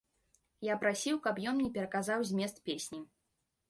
Я прасіў, каб ён мне пераказаў змест песні.